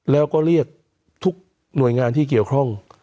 แล้วก็เรียกทุกหน่วยงานที่เกี่ยวข้อง